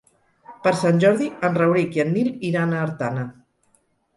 Per Sant Jordi en Rauric i en Nil iran a Artana.